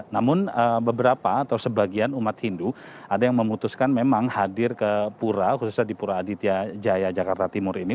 namun beberapa atau sebagian umat hindu ada yang memutuskan memang hadir ke pura khususnya di pura aditya jaya jakarta timur ini